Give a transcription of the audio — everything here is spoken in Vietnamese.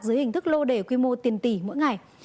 dưới hình thức lô đề quy mô tiền tỷ mỗi ngày